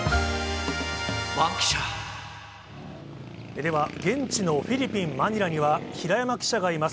では、現地のフィリピン・マニラには、平山記者がいます。